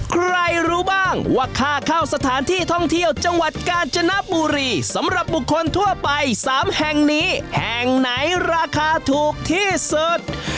ใครรู้บ้างว่าค่าเข้าสถานที่ท่องเที่ยวจังหวัดกาญจนบุรีสำหรับบุคคลทั่วไป๓แห่งนี้แห่งไหนราคาถูกที่สุด